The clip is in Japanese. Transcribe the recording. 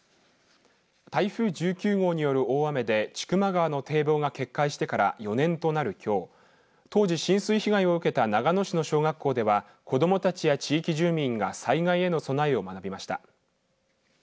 台風１９号による大雨で千曲川の堤防が決壊してから４年となるきょう当時、浸水被害を受けた長野市の小学校では子どもたちや地域住民が災害への備えを学びました。